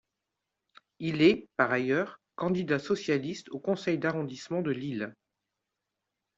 Il est, par ailleurs, candidat socialiste au conseil d'arrondissement de Lille.